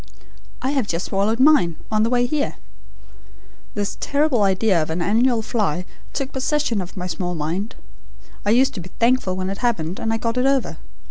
I have just swallowed mine, on the way here!' This terrible idea of an annual fly took possession of my small mind. I used to be thankful when it happened, and I got it over.